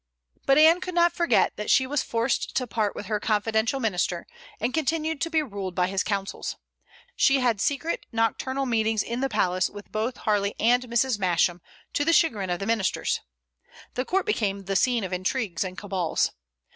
But Anne could not forget that she was forced to part with her confidential minister, and continued to be ruled by his counsels. She had secret nocturnal meetings in the palace with both Harley and Mrs. Masham, to the chagrin of the ministers. The court became the scene of intrigues and cabals.